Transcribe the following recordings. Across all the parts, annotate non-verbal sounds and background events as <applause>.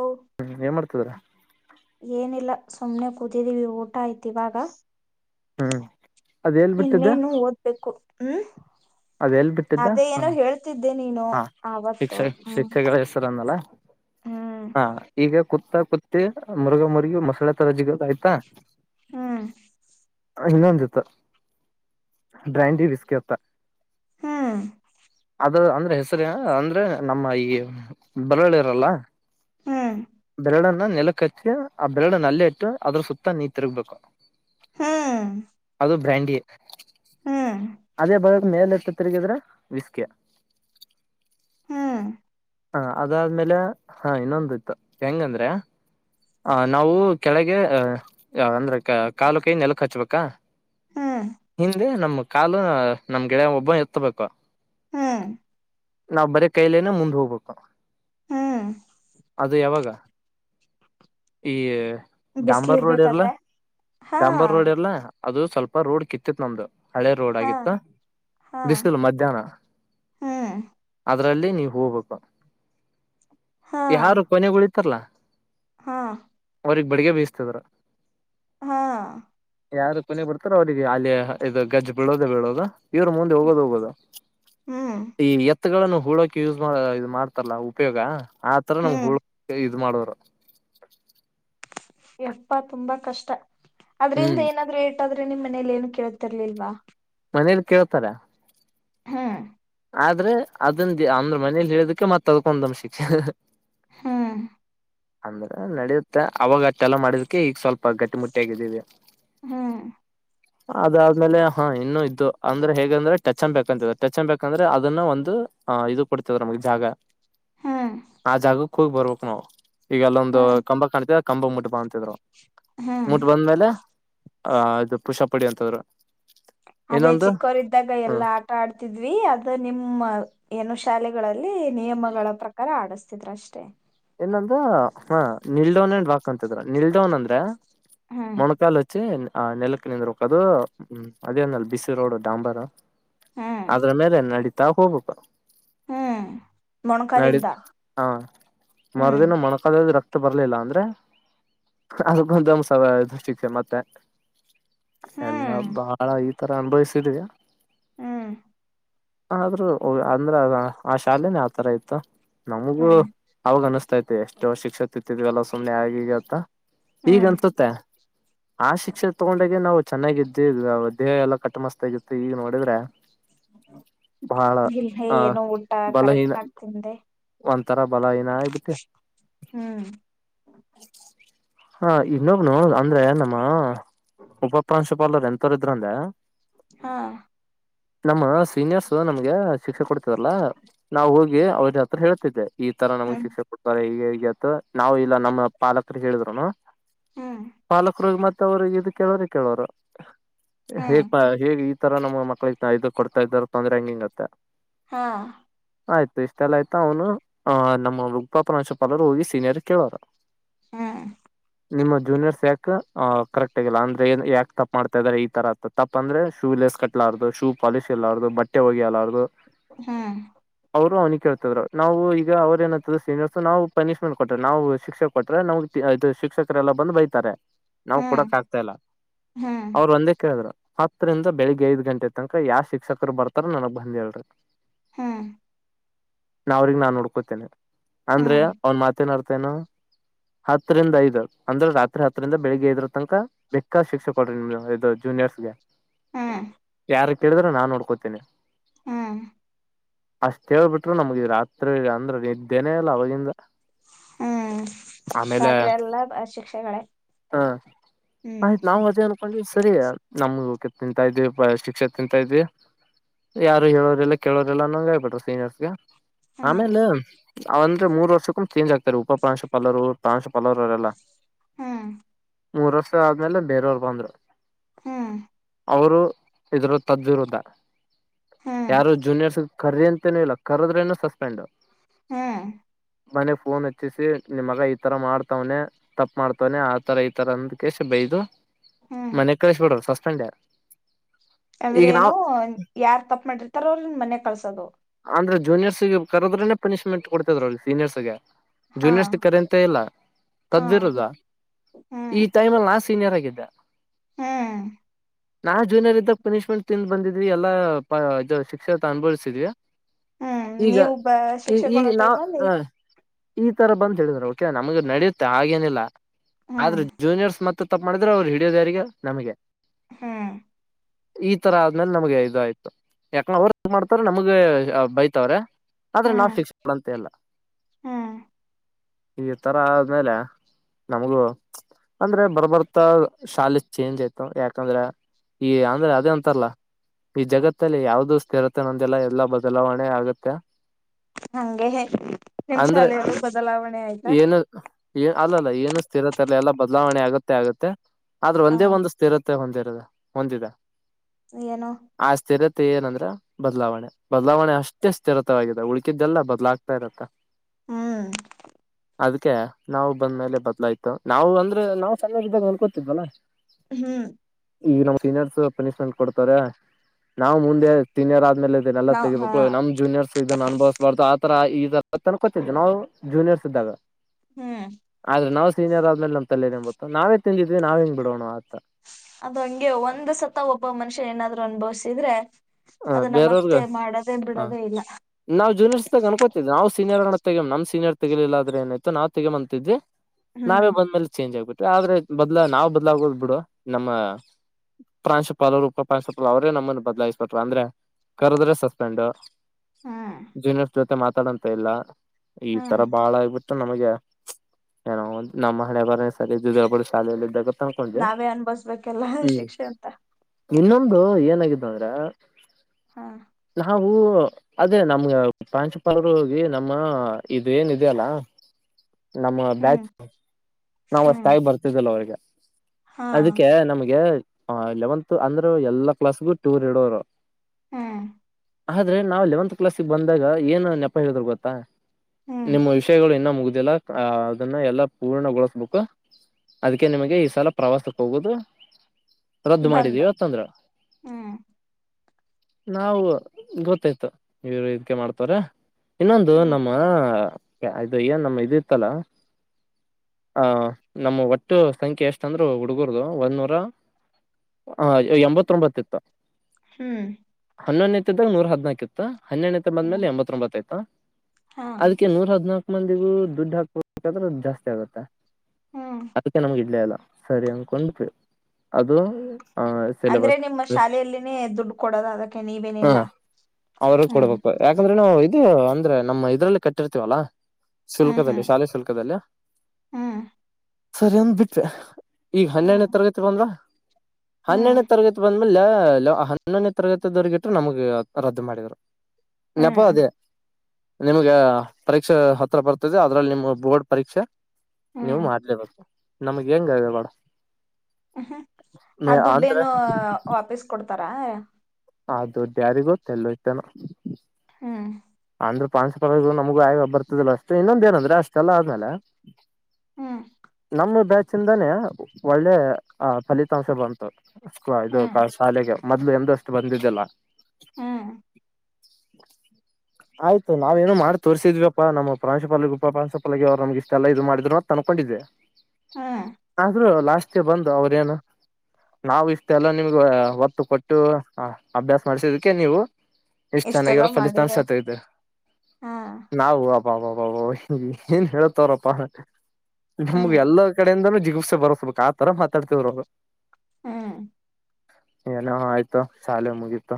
ಓ ನೀವ ಏನ್ ಮಾಡ್ತಿದ್ದೀರಾ ಏನಿಲ್ಲ ಸುಮ್ನೆ ಕೂತಿದ್ದೇವೆ ಊಟ ಆಯ್ತಿ ಇವಾಗ ಹ್ಮ್ ಅದ್ ಎಲ್ ಇನ್ನೇನು ಓದಬೇಕು ಹೂ ಅದ ಎಲ್ಲಿ ಬಿಟ್ಟಿದ್ದ ಹ ನೀನು ಹಾ ಶಿಕ್ಷ ಆವತ್ತು ಹ್ಮ್ ಶಿಕ್ಷಕರ ಹೆಸರನ್ನು ಲಲ್ಲ ಹ್ಮ್ ಹ ಈಗ ಕುತ್ತಾ ಕುತ್ತಿ ಮರ್ಗ ಮುರ್ಗಿ ಮಸಳೆ ತರ ಜಿಗಿತ ಇತ್ತ ಹೂ ಆದ ಇನ್ನೊಂದು ಇತ್ತು ಬ್ರಾಂಡಿ ವಿಸ್ಕಿ ಅಂತ ಹೂ ಅದ ಅಂದ್ರೆ ಹೆಸರ ಅಂದ್ರ ನಮ್ಮ ಈ ಬೆರಳಿರಲ್ಲ ಹ್ಮ್ ಬೆರಳನ್ನ ಕಾಲ್ನ ನೆಲಕಚ್ಚಿ ಆ ಬೆರಳನಾ ಅಲ್ಲ ಇಟ್ಟು ಅದ್ರ ಸುತ್ತ ನೀ ತಿರುಗ್ಬೇಕು ಹ ಬ್ಯಾಂಡ್ರಿ ಅದೇ ಬರ ಮೇಲೆತ್ತು ತಿರುಗಿದ್ರೆ ವಿಸ್ಕಿ ಹ್ಮ್ ಹ ಅದಾದ್ಮೇಲೆ ಹಾ ಇನ್ನೊಂದ ಇತ್ತು ಹೆಂಗಂದ್ರೆ ಆ ನಾವು ಕೆಳಗೆ ಅ ಅಂದ್ರೆ ಕಾಲು ಕೈ ನೆಲಕ್ಕ ಹಚ್ಚಬೇಕು ಹ್ಮ್ ಹಿಂದೆ ನಮ್ಮ ಕಾಲು ಅ ನಮ್ಮ ಗೆಳೆಯ ಒಬ್ಬ ಎತ್ತಬೇಕು ಹೂ ನಾವ್ ಬರೀ ಕೈಲಿ ಮುಂದೆ ಹೋಗಬೇಕು ಹ್ಮ್ ಅದು ಯಾವಾಗ ಈ ಯ ಬಿಸ್ಲ ಡಾಂಬರ್ ರೋಡ್ ಇರಲ್ಲ ಇರ್ಬೇಕಾದ್ರೆ ಹಾ ಡಾಂಬರ್ ರೋಡ್ ಎಲ್ಲಾ ಅದು ಸ್ವಲ್ಪ ರೋಡ್ ಕಿತ್ತತ ನಮ್ಮದ ಹಳೆ ರೋಡ್ ಹಾ ಆಗಿತ್ತ ಹಾ ಬಿಸಿಲು ಮಧ್ಯಾಹ್ನ ಹ್ಮ್ ಅದರಲ್ಲಿ ನೀವ ಹೋಗ್ಬೇಕು ಬಿಹಾರ ಕೊನೆಗುಳಿ ಅದೇನೋ ಅಂತಾರಲ್ಲ ಹ ಅವ್ರೀಗ್ ಬಡಿಗೆ ಬೇಯಿಸ್ತಾಯಿದ್ದಾರ. ಹಾಂ ಯಾರ್ ಕೊನೆ ಬರ್ತಾರೋ ಅವ್ರಿಗೆ ಅಲ್ಲಿ ಇದು ಗಜ್ ಬೀಳೋದೆ ಬೀಳೋದು. ಇವ್ರ್ ಮುಂದ್ ಹೋಗೋದು ಹೋಗೋದ ಹ್ಮ್ <unintelligible> ಎತ್ತುಗಳನ್ನು ಹೂಳಕ್ಕೆ ಯೂಸ್ ಮಾಡ ಅ ಇದು ಮಾಡ್ತಾರಲ್ಲ ಉಪಯೋಗ ಆತರ ನಮ್ ಹ್ಮ್ ಹೂಳ್ <unintelligible> ಇದ್ ಮಾಡ <unintelligible> ಯಪ್ಪಾ ತುಂಬಾ ಕಷ್ಟ. ಅದ್ರಿಂದ ಹ್ಮ್ ಏನಾದ್ರೂ ಏಟ್ ಆದ್ರ್ ಅಂದ್ರೆ ನಿಮ್ ಮನೇಲಿ ಏನು ಕೇಳತರ್ಲಿಲ್ವಾ? ಮನೇಲ್ ಕೇಳ್ತಾರ ಹ್ಮ್ ಆದ್ರೆ ಅದನ್ ದ ಅಂದ್ರ ಮನೇಲಿ ಹೇಳುದಕ್ಕೆ ಮತ್ ಅದಕ್ಕೊಂದ್ ನಮಗ್ ಶಿಕ್ಷೆ ಹಾಂ ಅಂದ್ರೆ ನಡಿಯುತ್ತೆ ಅವಾಗತ್ತೆಲ್ಲ ಮಾಡಿದಕ್ಕೆ ಈಗ ಸ್ವಲ್ಪ್ ಪ ಗಟ್ಟಿಮಟ್ಟಿಯಾಗಿದ್ದೀವಿ. ಹ್ಮ್ ಅದಾದ್ಮೇಲೆ ಹಾಂ ಇನ್ನು ಇದ್ದೋ ಅಂದ್ರೆ ಹೇಗೆಂದ್ರೆ ಟಚ್ <unintelligible> ಯಾಕಂದ್ರೆ ಅದುನ್ನ ಒಂದು ಅಹ್ ಇದು ಕೊಡ್ತಿದ್ರು ನಮಿಗ್ ಜಾಗ ಹ್ಮ್ ಆ ಜಾಗುಕ್ ಕೂ ಬರ್ಬೇಕ್ ನಾವು ಈಗಲ್ಲೊಂದು ಹ್ಮ್ ಕಂಬ ಕಾಣ್ತ ಕಂಬ ಮುಟ್ ಬಾ ಅಂತಿದ್ರು ಹ್ಮ್ ಮುಟ್ ಬಂದ್ಮೇಲೆ ಅ ಇದು ಪುಷಪ್ ಪಡಿಯನ್ತವ್ರು ಅದೇ ಚಿಕ್ಕೋರಿದ್ದಾಗ ಹ್ಮ್ ಎಲ್ಲಾ ಆಟ ಆಡ್ತಿದ್ವಿ ಅದ್ ತ್ತೆ ನಿಮ್ಮ ಏನು ಶಾಲೆಗಳ ಅಲ್ಲಿ ನಿಯಮಗಳ ಪ್ರಕಾರ ಆಡುಸ್ ತ್ತಿದ್ರಷ್ಟೆ ಏನಂದ್ರ ಹ ನಿಲ್ ಡೌನ್ ಅಂಡ್ ವಾಕ್ ಅಂತಿದ್ರ ನಿಲ್ ಡೌನ್ ಅಂದ್ರೆ ಹ್ಮ್ ಮೊಣಕಾಲಚ್ಚಿ ಹಾ ನೆಲಕ್ನಿಂದರಬೇಕ್ ಅದು ಹ್ಮ್ ಅದು ಅದೇನಲ್ ಬಿಸಿ ರೋಡ್ ಡಾಂಬರ್ ಹ್ಮ್ ಅದ್ರ ಮೇಲೆ ನಡಿ <unintelligible> ಹ್ಮ್ ಮೊಣಕಾಲಿಂದ ನಡದ್ ಹಾಂ ಹ್ಮ್ ಮರುದಿನ ಮೊಣಕಾಲು ರಕ್ತ ಬರ್ಲಿಲ್ಲ ಅಂದ್ರೆ ಅದುಕ್ <unintelligible> ಎಲ್ಲಾ ಹ್ಮ್ ಬಾಳ ಇ ಆತರ ಅನುಭವಿಸಿದಿವಿ ಹ್ಮ್ ಆದ್ರೂ ಅಂದ್ರ ಆ ಶಾಲೆನೆ ಆತರ ಇತ್ತು ನಮಗೂ ಹ್ಮ್ ಇವಾಗ ಅನಿಸ್ತಾ ಇದೆ ಎಷ್ಟ ಶಿಕ್ಷ ಲ್ಲ ಸುಮಮ್ಮ್ನೆ ಆಗ ಈಗಂತ ಈಗ ಹ್ಮ್ ಅನ್ಸುತ್ತೆ ಆ ಶಿಕ್ಷೆ ತಗೊಂಡಾಗೆ ನಾವು ಚೆನ್ನಾಗಿದ್ದು ದೇಹ ಎಲ್ಲಾ ಕಟ್ಟ ಮಸ್ತ್ ಆಗಿತ್ತು ಈಗ ನೋಡಿದ್ರೆ ಬಹಳ ಇಲ್ಲ ಆ ಏನೋ ಊಟ ಕರೆಕ್ಟ್ ಆಗ್ತಿಂದೆ ತರ ಬಲ ಹ್ಮ್ ಹಾ ಇನ್ನೊಬ್ನು ಅಂದ್ರೆ ನಮ್ಮ ಉಪಪ್ರಾಂಶ ಲ್ಲರ್ ಎಂತ್ರ ಇದ್ರಂದೆ ಹಾ ನಮ್ಮ ಸೀನಿಯರ್ಸ್ ನಮ್ಗೆ ಶಿಕ್ಷೆ ಕೊಡ್ತವಲ್ಲಾ ನಾವವು ಹೋಗಿ ಅವ್ರ ಹತ್ರ ಹೇಳ್ತಿದ್ದೆ ಈ ತರ ಹ್ಮ್ ಶಿಕ್ಷಾ ಪ್ರಕಾರ ಈಗ ಹಾಗತ್ ನಾವು ಇಲ್ಲ ನಮ್ಮ ಪಾಲತ್ರ ಹೇಳಿದ್ರುನು ಹ್ಮ್ ಪಾಲಕ್ ಹೋಗಿ ಮತ್ತ ಕೆಲವರು ಇದು ಕೆೇಳವ್ರರೂ ಕೇಳೋರು ಹ್ಮ್ ಹೇಗ್ ಪಾ ಹೇಗೆ ತರ ನಮ್ಮ ಮಕ್ಕಳಿಗೆ ಇದು ಕೊಡ್ತಾ ಇದ್ರು ತಂದ್ರ ಹಂಗ ಹ ಹಾ ಆಯ್ತು ಇಷ್ಟೆಲ್ಲ ಆಯ್ತು ಅವನು ಆ ನಮ್ಮ ರುಗ್ಪಾಪ ನಂಚಪಾಲರು ಹೋಗಿ ಸೀನಿಯರ್ ಕೇಳಾರ ಹ್ಮ್ ನಿಮ್ಮ ಜೂನಿಯರ್ಸ್ ಯಾಕೆ ಕರೆಕ್ ಆಗಿಲ್ಲ ಅಂದ್ರೆ ಏನ್ ಯಾಕಕ್ ತಪ್ ಮಾಡ್ತಾ ಇದಾರೆ ಈ ತರ ಆ ತಪ್ಪ ಅಂದ್ರೆ ಶೂ ಲೆಸ್ ಕಟ್ಲಾರ್ದದು ಶೂ ಪಾಲಿಶ್ ಇಲ್ಲಾರ್ದು ಬಟ್ಟೆ ಹೋಗಿಲಾರದು ಹಾ್ ಅವರು ಅವ್ನಿಗೆ ಕೇಳ್ತಿದ್ರು ನಾವು ಈಗ ಅವರ ಏನ ಸೀನಿಯರ್ಸ್ ನಾವು ಪನಿಶ್ಮೆಂಟ್ ಕೊಟ್ರ ನಾವು ಶಿಕ್ಷಕ್ ಕೊಟ್ಟ್ರರೆ ನ ಇದು ಶಿಕ್ಷಕರೆಲ್ಲ ಬಂದು ಬೈತಾರೆ ನಾವು ಹ್ಮ್ ಕೋಡಕ್ ಆಗ್ತಾ ಇಲ್ಲ ಹ್ಮ್ ಅವರು ಒಂದೇ ಕೇಳಿದ್ರು ಹತ್ತರಿಂದ ಬೆಳಿಗ್ ಐದ್ ಗಂಟೆ ತನಕ ಯಾವ ಶಿಕ್ಷಕರು ಬರ್ತಾರ ನನಗ್ ಬಂದ ಹೇಳ್ರಿ ಹಾ್ ನಾ ಅವ್ರಿಗೆ ನಾನ್ ನೋಡ್ಕೋತೇನೆ ಅಂದ್ರೆ ಹ್ಮ್ ಅವ್ನ್ ಮಾತ ನಡ್ತ ಮತ್ತೇನು ಹತ್ತರಿಂದ ಐದು ಅಂದ್ರೆ ರಾತ್ರಿ ಹತ್ತರಿಂದ ಬೆಳಗ್ಗೆ ಐದರ ತನಕ ಬೇಕಾದ ಶಿಕ್ಷೆ ಕೊಡ್ರಿ ನಿಮ್ದು ಇದು ಜೂನಿಯರ್ಸ್ಗೆ ಹಾ ಯಾರ ಕೇಳಿದ್ರೆ ನಾನ್ ನೋಡ್ಕೋತೇನೆ ಹ್ಮ ಅಷ್ಟ್ ಹೇಳ್ಬಿಟ್ರು ನಮಗೆ ರಾತ್ರಿ ಅಂದ್ರೆ ನ್ ನಿದ್ದೇನೆ ಇಲ್ಲ ಅವಾಗಿಂದ ಹ್ಮ್ ರಾತ್ರಿ ಎಲ್ಲ ಶಿಕ್ಷೆಗಳೇ ಹಾ ಹ್ಮ್ ಆಯ್ತು ನಾವ್ ಅದ ಅಳ್ಳ ಸರಿಯ ನಮ್ಗಕ ತಿಂತಾ ಇದ್ವಿ ಶಿಕ್ಷೆ ತಿಂತಾ ಇದ್ವಿ ಯಾರು ಹೇಳೋರಿಲ್ಲ ಕೇಳೋರ್ಲ್ಲ ಅನ್ನೋಂಗ ಹೇಳೆಬಿಟ್ರು ಸೀನಿಯರ್ಸ್ಗೆ ಹ್ಮ್ ಆಮೇಲೆ ಅವಂದ್ರೆ ಮೂರ್ ವರ್ಷಕ್ಕೂ ಚೇಂಜ್ ಆಗ್ತಾರೆ, ಉಪ್ರಾಂಶಪಾಲರು, ಪ್ರಾಂಶಪಾಲರು ಅವರೆಲ್ಲ ಹ್ಮ್ ಮೂರ್ ವರ್ಷ ಆದ್ಮೇಲೆ ಬೇರವ್ರು ಬಂದ್ರು ಹ್ಮ್ ಅವರು ಇದ್ರ ತತ್ವಿರುದ್ಧ ಹ್ಮ್ ಯಾರು ಜೂನಿಯರ್ಸ್ ಕರೆದೆ ಅಂತನೂ ಇಲ್ಲ ಕರದ್ರೇನು ಸಸ್ಪೆಂಡು ಹಾ ಮನೆಗ್ ಫೋನ್ ಹಚ್ಚಿಸಿ, ನಿಮ್ಮ ಮಗ ಈ ತರ ಮಾಡ್ತವನೆ, ತಪ್ಪ್ ಮಾಡ್ತವನೆ ಆ ಆತರ ಈತರ ಅಂದ <unintelligible> ಬೈದು ಹ್ಮ್ ಮನೆಗ್ ಕಳಿಸ್ ಬಿಡದು ಪೆಂಡ್ ಅಂದ್ರೆ ಏನು ಯಾರ್ ತಪ್ಪ ಮಾಡಿರ್ತಾರ ಅವ್ರನ್ ಮನೆಗ್ ಕಳ್ಸೋದು ಅಂದ್ರೆ ಜೂನಿಯರ್ಸ್ಗೆ ಕರದ್ರೆನೆ ಪನಿಶ್ಮೆಂಟ್ ಕೊಡ್ತಿದ್ರು ಅವ್ರ ಸೀನಿಯರ್ಸ್ಗೆ ಹಾ ಜೂನಿಯರ್ಸ್ಕ್ಕರೆ ಎಂತ ಇಲ್ಲ ಹಾ ತದ್ದಿರದ ಹ್ಮ್ ಈ ಟೈಮ್ ಅಲ್ಲಿ ನಾನ್ ಸೀನಿಯರ್ ಆಗಿದ್ದೆ ಹ್ಮ್ ನಾ ಜೂನಿಯರ್ ಇದ್ದಾಗ, ಪನಿಶ್ಮೆಂಟ್ ತಿಂದು ಬಂದಿದ್ವಿ ಎಲ್ಲಾ ಶಿಕ್ಷಕರತ್ರ ಅನುಭವಸಿದ್ವಿ ಹ್ಮ್ ಈಗ, ನೀವು ಬ ಈ ಶಿಕ್ಷೆ ಈ, ಕೊಡೋ ನಾ ಟೈಮ್ ಅಲ್ಲಿ ಹ ಈ ತರ ಬಂತ ಹೇಳಿದ್ರು ಓಕೆ ನಮಗೆ ನಡೆಯುತ್ತೆ ಆಗೇನಿಲ್ಲ ಹ್ಮ್ ಆದ್ರೆ ಜೂನಿಯರ್ಸ್ ಮತ್ತು ತಪ್ ಮಾಡಿದ್ರೆ ಅವ್ರು ಹಿಡಿಯೋದ್ ಯಾರಿಗೆ? ನಮಗೆ ಹಾ ಈ ತರ ಆದ್ಮೇಲೆ ನಮ್ಗೆ ಇದಾಯ್ತು. ಯಾಕಂದ್ರೆ ಅವರು ಮಾಡ್ತಾರ ನಮಗೆ ಬೈತವ್ರೆ ಆದ್ರೆ ನಾನ್ ಹ್ಮ್ ಫಿಕ್ಸ್ ಮಾಡಂತೆ ಎಲ್ಲ ಹ್ಮ್ ಈ ತರ ಆದ್ಮೇಲೆ ನಮಗೂ ಅಂದ್ರೆ, ಬರ್ಬರ್ತ ಶಾಲೆ ಚೇಂಜ್ ಆಯ್ತು. ಯಾಕಂದ್ರೆ ಈ ಅಂದ್ರೆ ಅದೇ ಅಂತರಲ್ಲ, ಈ ಜಗತ್ತಲ್ಲಿ ಯಾವ್ದು ಸ್ಥಿರತೆನೊಂದಿಲ್ಲಾ ಎಲ್ಲಾ ಬದಲಾವಣೆ ಆಗತ್ತೆ ಹಂಗೆನೇ ನಿಮ್ಮ ಅಂದ್ರೆ ಶಾಲೆಯಲ್ಲಿ ಬದಲಾವಣೆ ಆಯ್ತಾ ಏನ ಸ್ಥಿರತೆ ಇಲ್ಲ, ಎಲ್ಲಾ ಬದಲಾವಣೆ ಆಗತ್ತೆ, ಆಗತ್ತೆ ಆದ್ರೆ ಹಾ ಒಂದೇ ಒಂದ ಸ್ಥಿರ ಮತ್ತೆ ಹೊಂದಿರದ ಹೊಂದಿದೆ <unintelligible> ಏನೋ ಮತ್ತೆ ಏನಂದ್ರೆ ಬದಲಾವಣೆ ಬದಲಾವಣೆ ಅಷ್ಟೇ ಸ್ಥಿರತವಾಗಿದೆ ಉಳಕಿದ್ದೆಲ್ಲ ಬದಲಾಗ್ತಾ ಇರತ್ತ ಹ್ಮ್ ಅದಕ ನಾವು ಬಂದ್ಮೇಲೆ ಬದ್ಲಾಯ್ತ ನಾವು ಅಂದ್ರೆ ನಾವು ಸಣೆ ಇದ್ದಾಗ ಅಂದನ್ಕೋತಿದ್ಲ್ಲಾ ಹ್ಮ್ ಈಗ ನಮ್ ಸೀನಿಯರ್ಸ್ ಪನಿಶ್ಮೆಂಟ್ ಕೊಡ್ತಾರೆ ನಾವು ಮುಂದೆ ಸೀನಿಯರ್ ಆದ ಮೇಲೆ ಇದೆ ಎಲ್ಲ ನಾವ್ ಹಾ ತೆಗಬೇಕು ನಮ್ಮ ಜೂನಿಯರ್ ಇದನ್ನು ಅನುಭವಿಸ್ಬಾರ್ದು ಆ ರ ಈರ ತನ್ಕೊತಿದ್ದು ನಾವು ಜೂನಿಯರ್ಸ್ ಇದ್ದಾಗ ಹ್ಮ್ ಆದ್ರೆ ನಾವು ಸೀನಿಯರ್ ಆದ್ಮೇಲೆ ನಮ ತಲೆೇಗೆಬೊತ್ತು ನಾವೇ ತಿಂದಿದ್ವಿ ನಾವ ಹೆಂಗ್ ಬಿಡೋಣ ಆತಾ ಅದು ಹಂಗೆ ಒಂದ್ ಸತ್ತ ಒಬ್ಬ ಮನುಷ್ಯ ಏನಾದ್ರು ಅನ್ಬವ್ಸಿದ್ರೆ ಹ ಬೇರವರ್ಗ ಹ ಇಲ್ಲ. ನಾವ್ ಜೂನಿಯರ್ಸ್ದಾಗ್ ಗ ಅನ್ಕೋತಿದ್ದವಿ ನಾವು ಸೀನಿಯರ್ ಅಗಡತ್ತೆನ್ ನಮ್ ಸೀನಿಯರ್ ತಗಲಿಲ್ಲಾದ್ರೆ ಏನಾಯ್ತು ನಾವು ತಗೆಯುಮಾ ಅಂತಿದ್ವಿ ನಾವೇ ಹ್ಮ್ ಬಂದ್ಮೇಲೆ ಚೇಂಜ್ ಆಗ್ಬಿಟ್ ಆದ್ರೆ ಬದಲ ನಾವು ಬದಲಾಗೋದು ಬಿಡು ನಮ್ಮ ಪ್ರಾಂಶುಪಾಲ ಅವರು ಉಪ ಪ್ರಾಂಶುಪಾಲ ಅವರೇ ನಮ್ಮನ್ನು ಬದಲಾಯ್ಸ್ ತ್ವಾ ಅಂದ್ರೆ ಕರೆದ್ರೆ ಸಸ್ಪೆಂಡ್ ಹ್ಮ್ ಜೂನಿಯರ್ಸ್ ಜೊತೆ ಮಾತ್ ತಡ ಅಂತ ಇಲ್ಲ ಈ ಹ್ಮ್ ತರ ಬಾಳ ಆಗ್ಬ ನಮಗೆ ಏನೋ ನಮ್ಮ ಹಣೆ ಬರ ಸರಿ ಇದ್ದಿದ್ದಿಲ್ಲ ಬಿಡ್ ಶಾಲೆಯಲ್ಲಿದ್ದಾಗ ನಾವೇ ಅನ್ಭಸ್ಬೇಕಲ್ಲ ಶಿಕ್ಷೆ ಅಂತ ಇನ್ನೊಂದು ಏನಾಗಿದ್ದು ಅಂದ್ರೆ ಹಾ ನಾವು ಅದೇ ನಮಗ ಪ್ರಾಂಶುಪಾಾಲರು ಹೋಗಿ ನಮ್ಮ ಇದೇನಿದೆ ಅಲ್ಲ ನಮ್ಮ ಹ್ಮ್ ಬ್ಯಾಚ್ ನಾವ್ ಹ್ಮ್ ಅಷ್ಟಾಗ್ ಬರ್ತಿದಿ ಲ ವ್ ಈಗ ಹಾ ಅದಕ್ಕೆ ನಮಗೆ ಹ ಲೆವೆಂತ್ ಅಂದ್ರರು ಎಲ್ಲಾ ಕ್ಲಾಸ್ಗು ಟೂರ್ ಇಡೋರು ಹ್ಮ್ ಆದ್ರೆ ನಾವ್ ಲೆವೆಂತ್ ಕ್ಲಾಸ್ಗೆ ಬಂದಾಗ ಏನ್ ನೆಪ ಹೇಳಿದ್ರು ಗೊತ್ತಾ ಹ್ಮ್ ನಿಮ್ಮ ವಿಷಯಗಳು ಇನ್ನ ಮುಗ್ ದೆಲ್ಲ ಅದನ್ನ ಎಲ್ಲ ಪೂರ್ಣಗೊಳಿಸ್ ಬುಕ್ ಅದಕ್ಕೆ ನಿಮಗೆ ಈ ಸಲ ಪ್ರವಾಸಕ್ಕೆ ಹೋಗುದು ರದ್ದು ಬಂದ್ ಮಾಡಿದೀವಿವಂತಂದ್ರ ಹ್ಮ್ ನಾವು ಗೊತ್ತಾಯ್ತು ನೀವರು ಇದ್ಕ ಮಾಡ್ತಾರ ಇನ್ನೊಂದು ಹ್ಮ್ ನಮ್ಮ ಇದಯ್ಯ ನಮ್ಮ ಇದಿತ್ತಲ್ಲ ಆ ನಮ್ಮ ಒಟ್ಟು ಸಂಖ್ಯೆ ಎಷ್ಟಂದ್ರರು ಹುಡುಗರದು ಒಂದ ನೂರ ಆ ಎಂಬತ್ತೊಂಬತ್ತ ಇತ್ತು ಹ್ಮ್ ಹನ್ನೊಂದನತ್ತ್ದ್ರ್ ನೂರ ಹದಿನಾಕಿತ್ತ ಹನ್ನೆನ ಬಂದ್ಮೇಲೆ ಎಂಬತ್ತೊಂಬ್ರತ್ ಹಾ ಅದಕ್ಕೆ ನೂರ ಹದ್ನಾಕ್ ಕ್ ಮಂದಿಗೂ ದುಡ್ಡು ಹಾಕಬೇಕಾದ್ರೆದು ಜಾಸ್ತಿ ಆಗುತ್ತೆ ಹ್ಮ್ ಅದಕ್ಕೆ ನಮ್ಗೆ ಇಡ್ಲೇ ಇಲ್ಲ. ಸರಿ ಅನ್ಕೊಂಡ್ ಬಿಟ್ವಿ ಅದು ಅಂದ್ರೆ ಸಿಲೆಬಸ್ ನಿಮ್ಮ ಶಾಲೆಯಲ್ಲಿನೇ ದುಡ್ಡು ಕೊಡೋದ ಅದಕ್ಕೆ ಹ ನೀವೇನಿಲ್ಲ ಅವರು ಹ್ಮ್ ಕೊಡ್ಬೇಕು ಯಾಕಂದ್ರೆ ನಾವು ಇದು ಅಂದ್ರೆ ನಮ್ಮ ಇದ್ರಲ್ಲಿ ಕಟ್ಟಿರ್ತೀವಲ್ಲಾ ಹ್ಮ್ ಶುಲ್ಕದಲ್ಲಿ ಹ್ಮ್ ಶಾಲೆ ಶುಲ್ಕದಲ್ಲ ಹ್ಮ್ ಸರಿ ಅಂದ್ ಬಿಟೆ ಈಗ ಹ್ಮ್ ಹನ್ನೆರನ ತರಗತಿ ಬಂದ್ರ ಹ್ಮ್ ಹನ್ನೆರಡನ ತರಗತಿ ಬಂದು ಆಮೇಲೆ ಹನ್ನೊನೇ ತರಗತದರ್ಗ ಇಟ್ಟರು ನಮಗೆ ರದ್ದು ಮಾಡಿದ್ರು ನಪಾವ ಅದ ಹ್ಮ್ ನಿಮ್ಗೆ ಪರೀಕ್ಷೆ ಹತ್ರ ಬರ್ತದೆ ಅದ್ರಲ್ಲಿ ನಿಮ ಬೋರ್ಡ್ ಪರೀಕ್ಷೆ ನೀವು ಹ್ಮ್ ಮಾಡ್ಲೇಬೇಕು ನಮ್ಗೆ ಹೆಂಗದೆ ಬಾಡ ಹ್ ಹ್ಮ್ ಆ ದುಡ್ಡೇನು ವಾಪಸ್ ಕೊಡ್ತಾರ ಅದು ಡ್ಯಾರಿಗೊತ್ತ ಎಲ್ಲೋ ಇತಾನ ಹಾ ಅಂದ್ರೆ ಪಾನ್ಸಗಳು ನಮಗ ಆ ಬರ್ತದಲ್ಿಲ್ಲ ಅಷ್ಟೇ ಇನ್ನೊಂದ ಏನಂದ್ರೆ ಅಷ್ಟೆಲ್ಲ ಆದ್ಮೇಲೆ ಹ್ಮ್ ನಮ್ಮ ಬ್ಯಾಚ್ಂದಾನೇ ಒಳ್ಳೆ ಆ ಫಲಿತಾಂಶ ಬಂತು ಕ ಇದು ಹ್ಮ್ ಶಾಲೆಗೆ ಮೊದ್ಲು ಎಂದಷ್ಟು ಬಂದಿದ್ದಲ್ಲ ಹ್ಮ್ <inaudible> ಆಯ್ತು ನಾವೇಏನು ಮಾಡಿ ತೋರ್ರಿಸಿದ್ವಿಪ್ಪಾ ನಮ್ಮ ಪ್ರಾಂಶಪಾಲಗ ಉಪ ಪ್ರಾಂಶಪಲ್ಗ ಅವ್ ನಮ್ಗೆ ಇಷ್ಟೆಲ್ಲ ಇದು ಮಾಡಿದ್ರು ತನ್ಕೊಂಡಿದ್ದೆ ಹ್ಮ್ ಆದ್ರೂ ಲಾಸ್ಟ್ ಜಷ್ಟತಿ ಬಂದು ಅವ್ರೇನು ನಾವು ಇಷ್ಟೆ ಎಲ್ಲ ನಿಮ್ಗೆ ಒತ್ತು ಕೊಟ್ಟು ಅಭ್ಯಾಸ ಮಾಡ್ಸಿದಕ್ಕೆ ನೀವು ಎಷ್ಟು ಇಷ್ಟೆಲ್ಲ ಚೆನ್ನಾಗಿರೋ ಫಲಿಸ್ತಾನ ಮಾಡಿರ ಸ ತ. ಹಾ ನಾವು ಅ ಬಾಬಬ್ಬಬ್ಬಾ ಹೀ ಏನ್ ಹೇಳತವ್ರಪ್ಪಾ ನಮ್ಗೆ ಹ್ಮ್ ಎಲ್ಲ ಕಡೆಯಿಂದಲೂ ಜಿಗುಪ್ಸೆ ಬರಸಬೇಕ್ ಆತರ ಮಾತಾಡ್ತಿದ್ರು ಅವರು ಹ್ಮ ಏನೋ ಆಯ್ತ ಶಾಲೆ ಮುಗೀತು.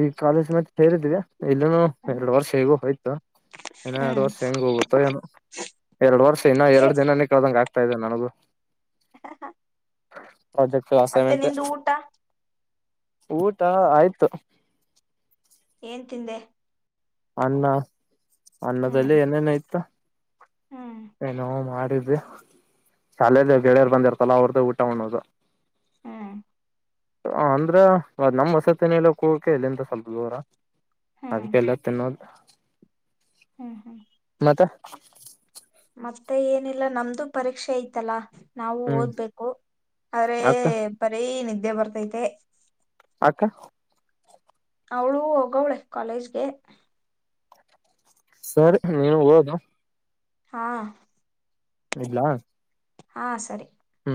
ಈಗ ಕಾಲೇಜ್ ಮತ್ತೆ ಸೇರಿದ್ದೀವಿ ಇದುನು ಎರಡು ವರ್ಷ ಹೇಗೂ ಹೋಯ್ತು, ಇನ್ನ ಎರಡು ಹ್ಮ್ ವರ್ಷ ಹೆಂಗ ಹೋಗುತ್ತೋ ಏನು. ಎರಡು ವರ್ಷ ಇನ್ನ ಎರಡು ದಿನನ ಕಳ್ದಂಗ್ ಆಗ್ತ ಆಗ್ತಾಯಿದೆ ನನಗೂ ಹ ಹ ಹ <unintelligible> ಪ್ರೊಜೆಕ್ಟ್, ಅಸೈನ್ಮೆಂಟ್ ಊಟ ಆಯ್ತು ಏನ್ ತಿಂದೆ ಅನ್ನ ಹ್ಮ್ ಅನ್ನದಲ್ಲಿ ಏನೇನ ಇತ್ತು ಹ್ಮ್ ಎನೋ ಮಾಡ <unintelligible> ಶಾಲೆಯಿಂದ ಗೆಳೆಯರ್ ಬಂದಿರ್ತಲ್ಲ ಅವ್ರದ್ದ ಊಟ ಉಣೋದು ಹ್ಮ್ ಅಂದ್ರ ನಮ್ ವಸತಿ ನಿಲಯಕ್ ಹೋಗೋಕೆ ಇಲ್ಲಿಂದ ಸ್ವಲ್ಪ ದೂರ ಹ್ಮ್ ಅದಕ್ಕೆಲ್ಲ <unintelligible> ಹ್ಮ್ ಹ್ಮ್ ಮತ್ತೆ ಮತ್ತೆ ಏನಿಲ್ಲ ನಮ್ದು ಪರೀಕ್ಷೆ ಐತಲ್ಲಾ ನಾವು ಹ್ಮ್ ಓದ್ಬೇಕು ಆದ್ರೆ ಅಕ್ಕ ಬರೀ ನಿದ್ದೆ ಬರ್ತೈತೆ ಅಕ್ಕ? ಅವ್ಳು ಓಗವಳೇ ಕಾಲೇಜ್ಗೆ ಸರಿ ನೀನ್ ಓದು ಹಾ ಇಡ್ಲಾ ಹಾ ಸರಿ ಹ್ಮ